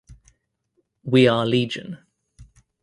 We are Legion.